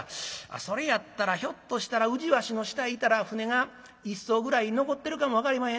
それやったらひょっとしたら宇治橋の下行ったら舟が一艘ぐらい残ってるかも分かりまへんで」。